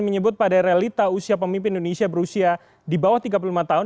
menyebut pada realita usia pemimpin indonesia berusia di bawah tiga puluh lima tahun